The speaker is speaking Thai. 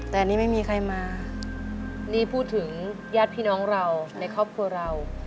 แต่อันนี้ไม่มีใครมานี่พูดถึงญาติพี่น้องเราในครอบครัวเรา